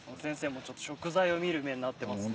もうちょっと食材を見る目になってますね。